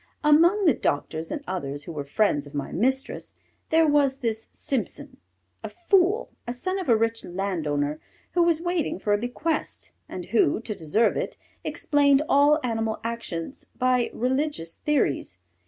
Among the doctors and others who were friends of my mistress, there was this Simpson, a fool, a son of a rich landowner, who was waiting for a bequest, and who, to deserve it, explained all animal actions by religious theories.